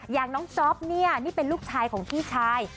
อย่างน้องจ๊อปเนี่ยนี่เป็นลูกชายของพี่ชาย